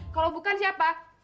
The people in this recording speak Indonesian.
kalau bukan siapa